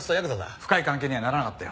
深い関係にはならなかったよ。